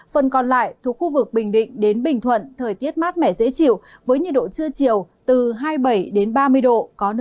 phần còn lại thuộc khu vực bình định đến bình thuận thời tiết mát mẻ dễ chịu với nhiệt độ trưa chiều từ hai mươi bảy đến ba mươi độ